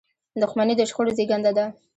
• دښمني د شخړو زیږنده ده.